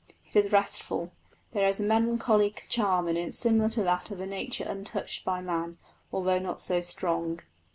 It is restful; there is a melancholy charm in it similar to that of a nature untouched by man, although not so strong.